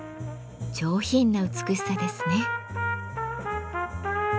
上品な美しさですね。